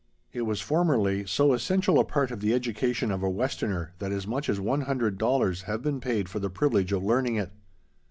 It was formerly so essential a part of the education of a Westerner that as much as one hundred dollars have been paid for the privilege of learning it.